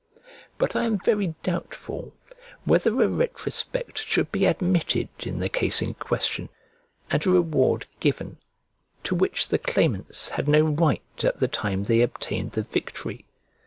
But I am very doubtful, whether a retrospect should be admitted in the case in question, and a reward given, to which the claimants had no right at the time they obtained the victory.